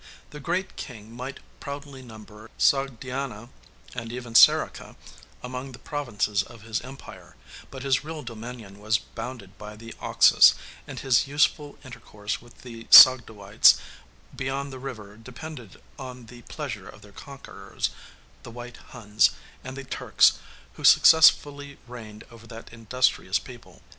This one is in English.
The great king might proudly number Sogdiana, and even Serica, among the provinces of his empire: but his real dominion was bounded by the Oxus; and his useful intercourse with the Sogdoites beyond the river depended on the pleasure of their conquerors the white Huns, and the Turks, who successively reigned over that industrious people.